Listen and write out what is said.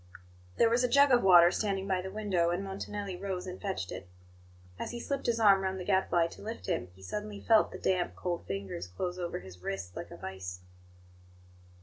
There was a jug of water standing by the window, and Montanelli rose and fetched it. As he slipped his arm round the Gadfly to lift him, he suddenly felt the damp, cold fingers close over his wrist like a vice.